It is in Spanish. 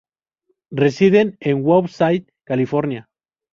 Residen en Woodside, California.